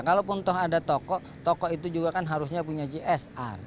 kalaupun toh ada toko toko itu juga kan harusnya punya gsr